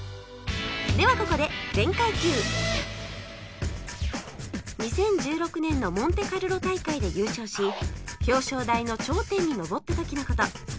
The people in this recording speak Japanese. ではここで２０１６年のモンテカルロ大会で優勝し表彰台の頂点に上った時の事